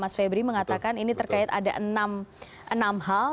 mas febri mengatakan ini terkait ada enam hal